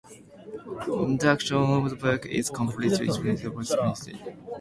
The action of the book is completely sequential, as the dates indicate.